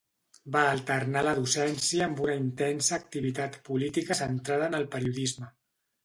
Va alternar la docència amb una intensa activitat política centrada en el periodisme.